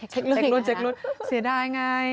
เช็ครุนเช็ครุนเสียดายไง